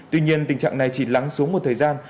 tuy nhiên tình trạng này chỉ lắng xuống một thời gian